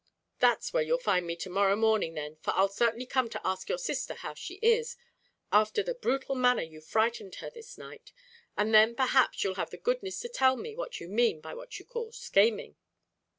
"That's where you'll find me to morrow morning then, for I'll certainly come to ask your sister how she is, after the brutal manner you've frightened her this night; and then perhaps you'll have the goodness to tell me what you mean by what you call 'schaming.'"